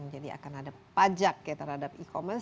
jadi akan ada pajak ya terhadap e commerce